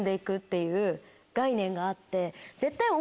いう概念があって。